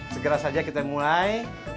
segera saja kita mulai